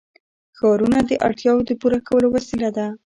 ښارونه د اړتیاوو د پوره کولو وسیله ده.